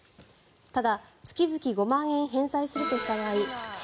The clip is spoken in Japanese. ただ、月々５万円返済するとした場合。